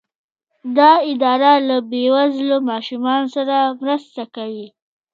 دا اداره له بې وزلو ماشومانو سره مرسته کوي.